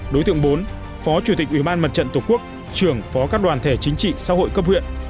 đối tượng bốn phó chủ tịch ủy ban mặt trận tổ quốc trưởng phó các đoàn thể chính trị xã hội cấp huyện